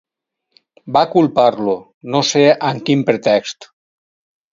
Va culpar-lo, no sé amb quin pretext.